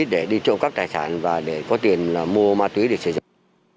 để đi trộm cắp tài sản và để có tiền mua ma túy để sử dụng